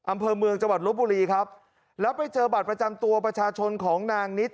อำเภอเมืองจังหวัดลบบุรีครับแล้วไปเจอบัตรประจำตัวประชาชนของนางนิด